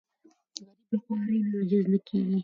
غریب له خوارۍ نه عاجز نه کېږي